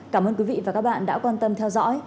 cảm ơn quý vị và các bạn đã quan tâm theo dõi